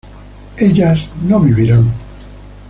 ellas no vivirán